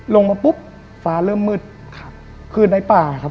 ลงมาปุ๊บฟ้าเริ่มมืดคือในป่า